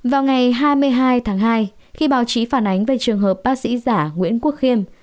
vào ngày hai mươi hai tháng hai khi báo chí phản ánh về trường hợp bác sĩ giả nguyễn quốc khiêm